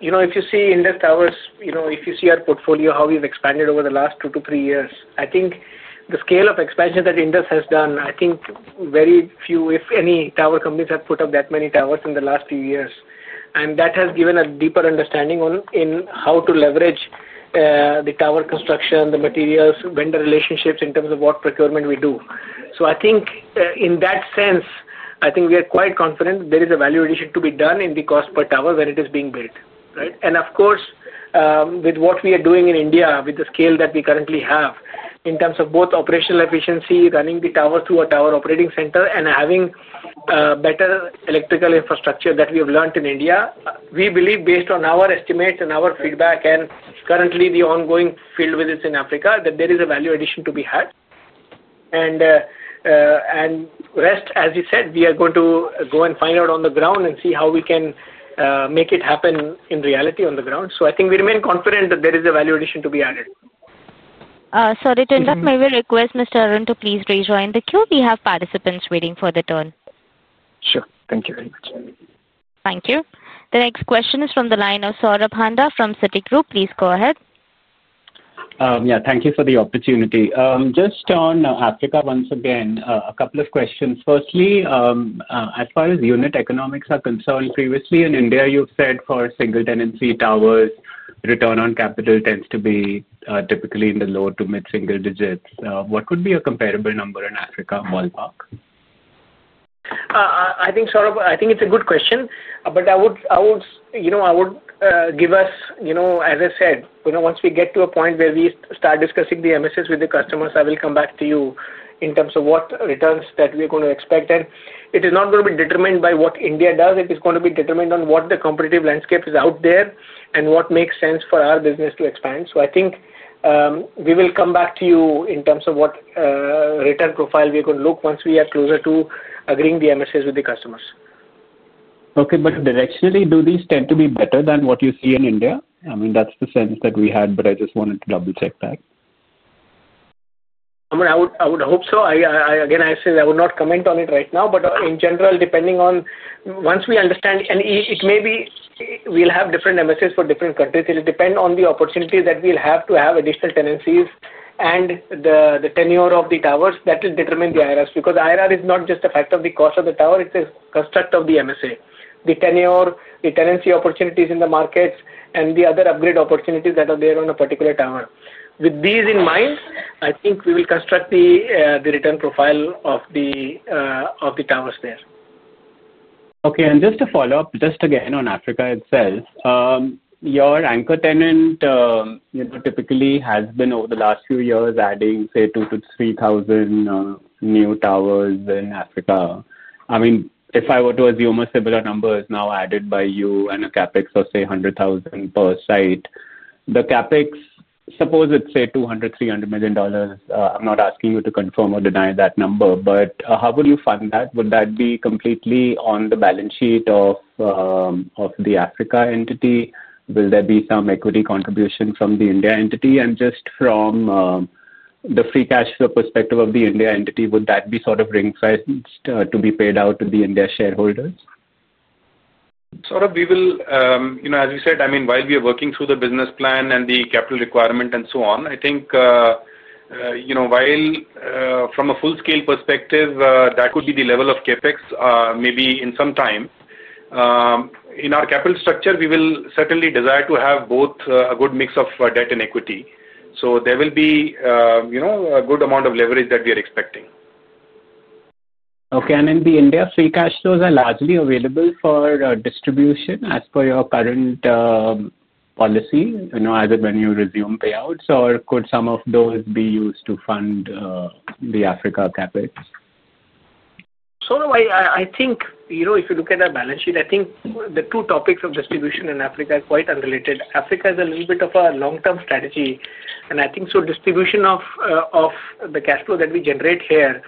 you know, if you see Indus Towers, you know, if you see our portfolio, how we've expanded over the last two to three years, the scale of expansion that Indus has done, I think very few, if any, tower companies have put up that many towers in the last few years. That has given a deeper understanding on how to leverage the tower construction, the materials, vendor relationships in terms of what procurement we do. In that sense, I think we are quite confident there is a value addition to be done in the cost per tower when it is being built, right? Of course, with what we are doing in India with the scale that we currently have in terms of both operational efficiency, running the towers through a tower operating center, and having a better electrical infrastructure that we have learned in India, we believe, based on our estimates and our feedback and currently the ongoing field visits in Africa, that there is a value addition to be had. The rest, as you said, we are going to go and find out on the ground and see how we can make it happen in reality on the ground. I think we remain confident that there is a value addition to be added. Sorry to interrupt. May we request Mr. Arun to please rejoin the queue? We have participants waiting for the turn. Sure, thank you very much. Thank you. The next question is from the line of Saurabh Handa from Citigroup. Please go ahead. Yeah, thank you for the opportunity. Just on Africa, once again, a couple of questions. Firstly, as far as unit economics are concerned, previously in India, you've said for single tenancy towers, the return on capital tends to be typically in the low to mid-single digits. What would be a comparable number in Africa, ballpark? I think it's a good question. I would give us, as I said, once we get to a point where we start discussing the emissions with the customers, I will come back to you in terms of what returns we are going to expect. It is not going to be determined by what India does. It is going to be determined on what the competitive landscape is out there and what makes sense for our business to expand. I think we will come back to you in terms of what return profile we are going to look once we are closer to agreeing the emissions with the customers. Okay. Directionally, do these tend to be better than what you see in India? I mean, that's the sense that we had, but I just wanted to double-check that. I would hope so. I would not comment on it right now, but in general, depending on once we understand, and it may be we'll have different emissions for different countries. It will depend on the opportunity that we'll have to have additional tenancies and the tenure of the towers. That will determine the IRR because IRR is not just a factor of the cost of the tower. It's a construct of the MSA, the tenure, the tenancy opportunities in the markets, and the other upgrade opportunities that are there on a particular tower. With these in mind, I think we will construct the return profile of the towers there. Okay. Just to follow up, just again on Africa itself, your anchor tenant typically has been, over the last few years, adding, say, 2,000 to 3,000 new towers in Africa. I mean, if I were to assume a similar number is now added by you and a CapEx of, say, $100,000 per site, the CapEx, suppose it's, say, $200 million, $300 million. I'm not asking you to confirm or deny that number, but how would you fund that? Would that be completely on the balance sheet of the Africa entity? Will there be some equity contribution from the India entity? Just from the free cash flow perspective of the India entity, would that be sort of ring-fenced to be paid out to the India shareholders? We will, as we said, while we are working through the business plan and the capital requirement and so on, while from a full-scale perspective, that would be the level of CapEx, maybe in some time, in our capital structure, we will certainly desire to have both a good mix of debt and equity. There will be a good amount of leverage that we are expecting. In India, free cash flows are largely available for distribution as per your current policy, you know, as when you resume payouts, or could some of those be used to fund the Africa CapEx? I think, you know, if you look at our balance sheet, the two topics of distribution in Africa are quite unrelated. Africa is a little bit of a long-term strategy. Distribution of the cash flow that we generate here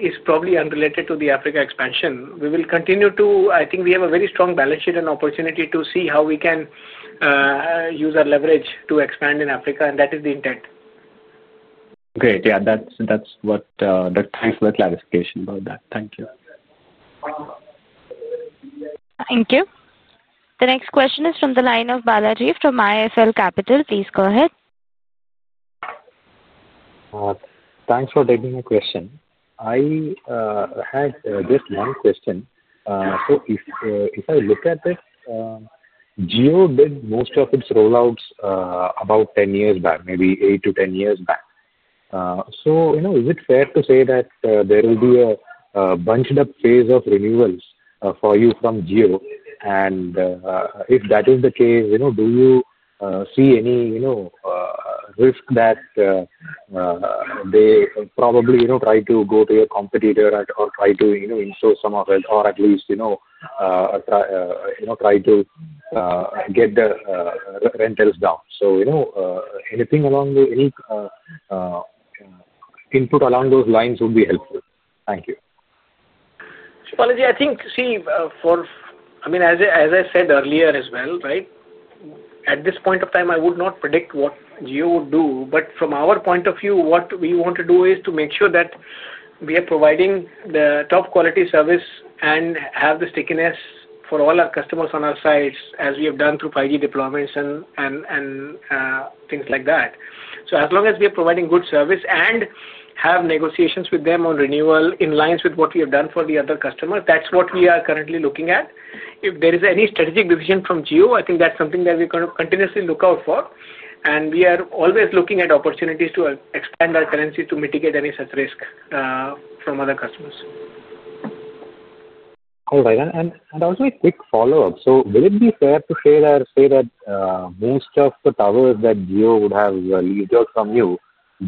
is probably unrelated to the Africa expansion. We will continue to, I think we have a very strong balance sheet and opportunity to see how we can use our leverage to expand in Africa, and that is the intent. Great. Yeah, that's what that is. Thanks for the clarification about that. Thank you. Thank you. The next question is from the line of Balaji V from ISL Capital. Please go ahead. Thanks for taking my question. I had this one question. If I look at it, Jio did most of its rollouts about 10 years back, maybe eight to 10 years back. Is it fair to say that there will be a bunched-up phase of renewals for you from Jio? If that is the case, do you see any risk that they probably try to go to your competitor or try to insert some of it, or at least try to get the rentals down? Anything along the input along those lines would be helpful. Thank you. Shi Balaji, I think, for, I mean, as I said earlier as well, at this point of time, I would not predict what Jio would do. From our point of view, what we want to do is to make sure that we are providing the top-quality service and have the stickiness for all our customers on our sites as we have done through 5G deployments and things like that. As long as we are providing good service and have negotiations with them on renewal in line with what we have done for the other customers, that's what we are currently looking at. If there is any strategic decision from Jio, I think that's something that we're going to continuously look out for. We are always looking at opportunities to expand our tenancy to mitigate any such risk from other customers. All right. Also, a quick follow-up. Would it be fair to say that most of the towers that Jio would have leased from you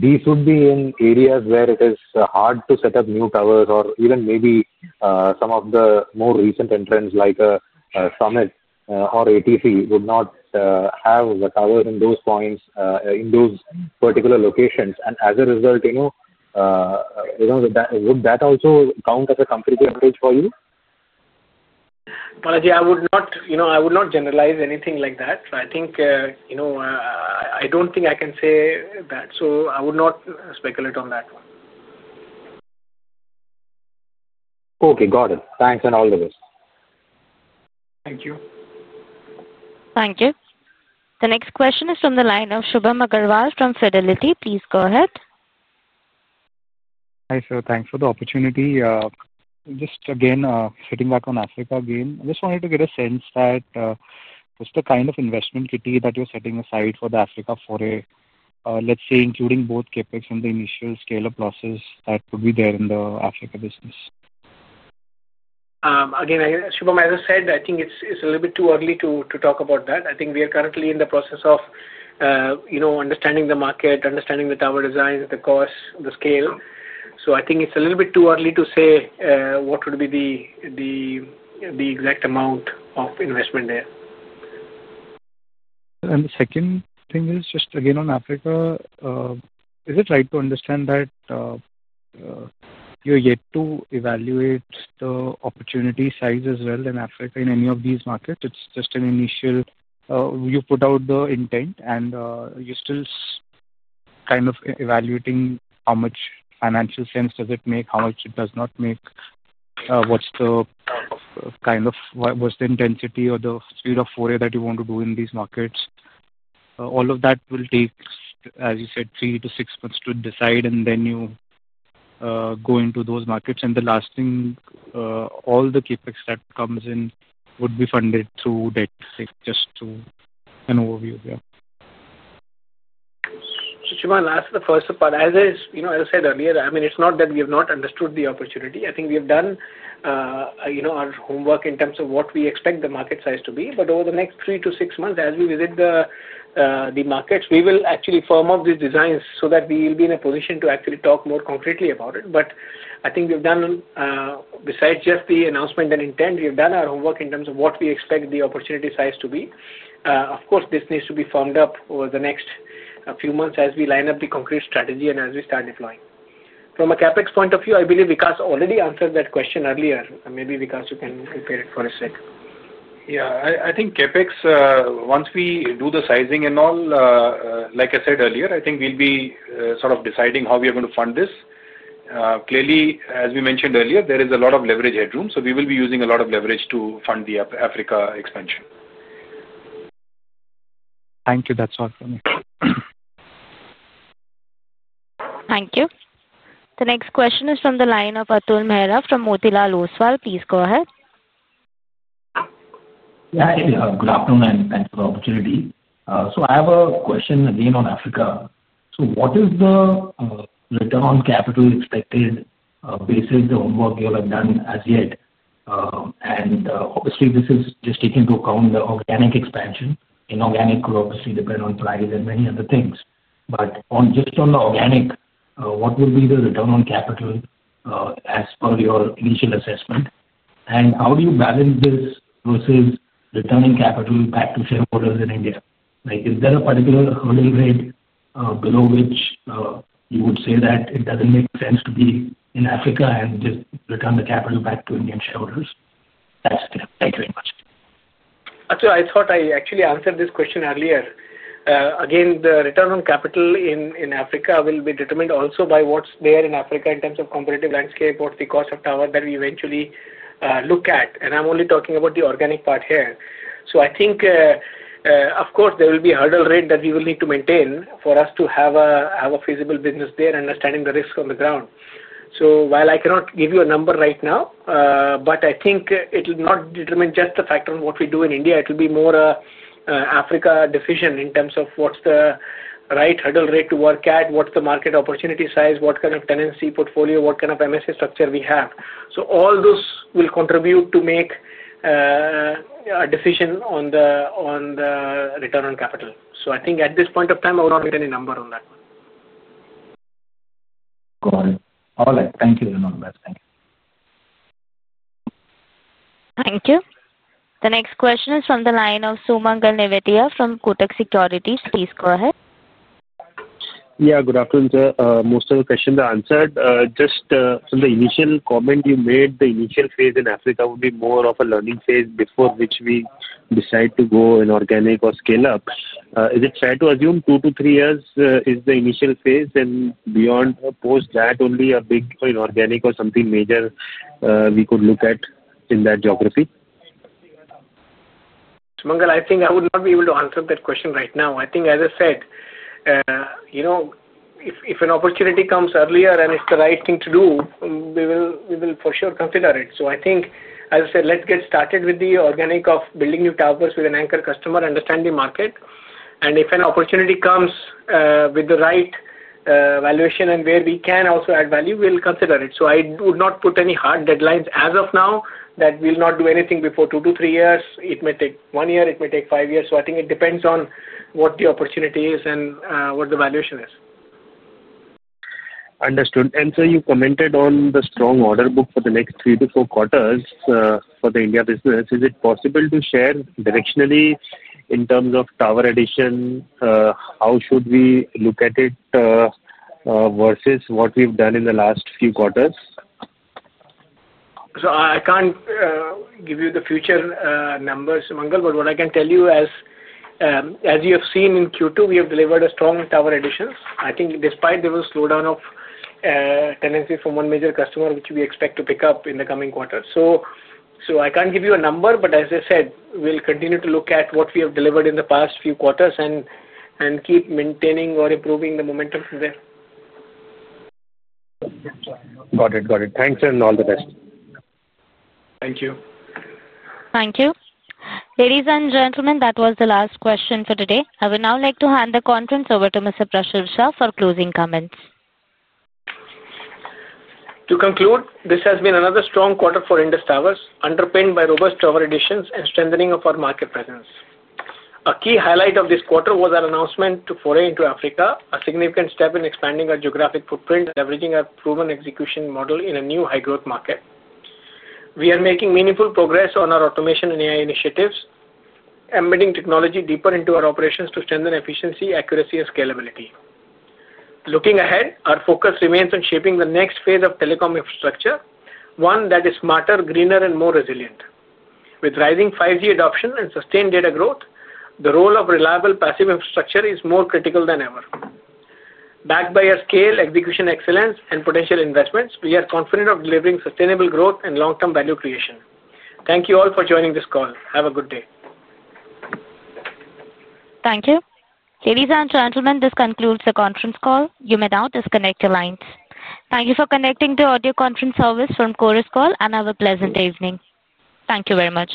would be in areas where it is hard to set up new towers or even maybe some of the more recent entrants like a Summit or ATC would not have the towers in those points, in those particular locations? As a result, would that also count as a competitive advantage for you? I would not generalize anything like that. I don't think I can say that. I would not speculate on that one. Okay. Got it. Thanks and all the best. Thank you. Thank you. The next question is from the line of Shubham Agarwal from Fidelity. Please go ahead. Hi, sir. Thanks for the opportunity. Sitting back on Africa again, I just wanted to get a sense that what's the kind of investment kitty that you're setting aside for the Africa foray, let's say, including both CapEx and the initial scale-up losses that could be there in the Africa business? Again, Shubham, as I said, I think it's a little bit too early to talk about that. I think we are currently in the process of understanding the market, understanding the tower designs, the cost, the scale. I think it's a little bit too early to say what would be the exact amount of investment there. The second thing is just, again, on Africa, is it right to understand that you're yet to evaluate the opportunity size as well in Africa in any of these markets? It's just an initial, you put out the intent, and you're still kind of evaluating how much financial sense does it make, how much it does not make, what's the kind of intensity or the speed of foray that you want to do in these markets? All of that will take, as you said, three to six months to decide, and you go into those markets. The last thing, all the CapEx that comes in would be funded through debt, just to an overview, yeah. Shubham, I'll answer the first part. As I said earlier, it's not that we have not understood the opportunity. I think we have done our homework in terms of what we expect the market size to be. Over the next three to six months, as we visit the markets, we will actually firm up these designs so that we will be in a position to actually talk more concretely about it. I think we've done, besides just the announcement and intent, our homework in terms of what we expect the opportunity size to be. Of course, this needs to be firmed up over the next few months as we line up the concrete strategy and as we start deploying. From a CapEx point of view, I believe Vikas already answered that question earlier. Maybe, Vikas, you can prepare it for a sec. Yeah, I think CapEx, once we do the sizing and all, like I said earlier, I think we'll be sort of deciding how we are going to fund this. Clearly, as we mentioned earlier, there is a lot of leverage headroom. We will be using a lot of leverage to fund the Africa expansion. Thank you. That's all for me. Thank you. The next question is from the line of Atul Mehra from Motilal Oswal. Please go ahead. Good afternoon, and thanks for the opportunity. I have a question again on Africa. What is the return on capital expected based on the homework you have done as yet? Obviously, this is just taking into account the organic expansion. Inorganic could obviously depend on price and many other things. Just on the organic, what would be the return on capital as per your initial assessment? How do you balance this versus returning capital back to shareholders in India? Is there a particular hurdle rate below which you would say that it doesn't make sense to be in Africa and just return the capital back to Indian shareholders? That's it. Thank you very much. I thought I actually answered this question earlier. The return on capital in Africa will be determined also by what's there in Africa in terms of comparative landscape, what's the cost of tower that we eventually look at. I'm only talking about the organic part here. I think, of course, there will be a hurdle rate that we will need to maintain for us to have a feasible business there, understanding the risks on the ground. While I cannot give you a number right now, I think it will not determine just the factor on what we do in India. It will be more an Africa decision in terms of what's the right hurdle rate to work at, what's the market opportunity size, what kind of tenancy portfolio, what kind of MSA structure we have. All those will contribute to make a decision on the return on capital. At this point of time, I will not give any number on that one. Got it. All right. Thank you, Arun. Thank you. Thank you. The next question is from the line of Sumangal Nivetiya from Kotak Securities. Please go ahead. Yeah, good afternoon, sir. Most of the questions are answered. Just from the initial comment you made, the initial phase in Africa would be more of a learning phase before which we decide to go inorganic or scale up. Is it fair to assume two to three years is the initial phase and beyond post that, only a big inorganic or something major we could look at in that geography? Sumangal, I think I would not be able to answer that question right now. I think, as I said, if an opportunity comes earlier and it's the right thing to do, we will for sure consider it. I think, as I said, let's get started with the organic of building new towers with an anchor customer, understand the market. If an opportunity comes with the right valuation and where we can also add value, we'll consider it. I would not put any hard deadlines as of now that we'll not do anything before two to three years. It may take one year. It may take five years. I think it depends on what the opportunity is and what the valuation is. Understood. Sir, you commented on the strong order book for the next three to four quarters for the India business. Is it possible to share directionally in terms of tower addition? How should we look at it versus what we've done in the last few quarters? I can't give you the future numbers, Sumangal, but what I can tell you, as you have seen in Q2, we have delivered strong tower additions. I think despite there was a slowdown of tenancy from one major customer, which we expect to pick up in the coming quarters. I can't give you a number, but as I said, we'll continue to look at what we have delivered in the past few quarters and keep maintaining or improving the momentum from there. Got it. Got it. Thanks and all the best. Thank you. Thank you. Ladies and gentlemen, that was the last question for today. I would now like to hand the conference over to Mr. Prachur Sah for closing comments. To conclude, this has been another strong quarter for Indus Towers, underpinned by robust tower additions and strengthening of our market presence. A key highlight of this quarter was our announcement to foray into Africa, a significant step in expanding our geographic footprint, leveraging our proven execution model in a new high-growth market. We are making meaningful progress on our automation and AI initiatives, embedding technology deeper into our operations to strengthen efficiency, accuracy, and scalability. Looking ahead, our focus remains on shaping the next phase of telecom infrastructure, one that is smarter, greener, and more resilient. With rising 5G adoption and sustained data growth, the role of reliable passive infrastructure is more critical than ever. Backed by our scale, execution excellence, and potential investments, we are confident of delivering sustainable growth and long-term value creation. Thank you all for joining this call. Have a good day. Thank you. Ladies and gentlemen, this concludes the conference call. You may now disconnect your lines. Thank you for connecting to audio conference service from CORUS Call, and have a pleasant evening. Thank you very much.